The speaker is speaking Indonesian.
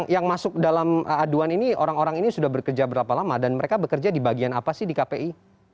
yang masuk dalam aduan ini orang orang ini sudah bekerja berapa lama dan mereka bekerja di bagian apa sih di kpi